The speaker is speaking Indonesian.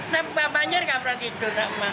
nanti bapaknya nggak pernah tidur